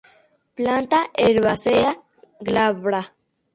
Planta herbácea, glabra.